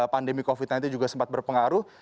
pandemi covid sembilan belas juga sempat berpengaruh